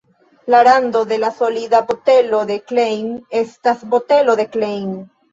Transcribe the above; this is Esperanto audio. La rando de la solida botelo de Klein estas botelo de Klein.